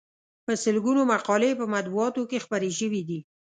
په سلګونو مقالې یې په مطبوعاتو کې خپرې شوې دي.